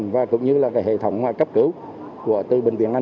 và cũng như là hệ thống cấp cứu của tư bệnh viện